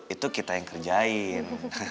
itu kita yang kerjain